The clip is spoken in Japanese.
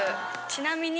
ちなみに。